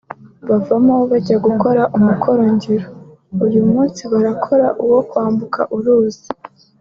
Bavamo bajya gukora umukoro ngiro (uyu munsi barakora uwo kwambuka uruzi)